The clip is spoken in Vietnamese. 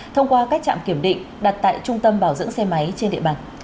thông qua các trạm kiểm định đặt tại trung tâm bảo dưỡng xe máy trên địa bàn